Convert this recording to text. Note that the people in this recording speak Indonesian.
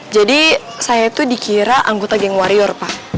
jadi saya itu dikira anggota geng warior